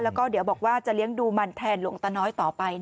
แล้วก็เดี๋ยวบอกว่าจะเลี้ยงดูมันแทนหลวงตาน้อยต่อไป